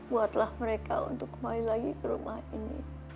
buatlah mereka untuk kembali lagi ke rumah ini